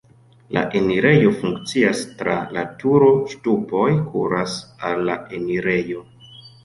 La enirejo funkcias tra la turo, ŝtupoj kuras al la enirejo.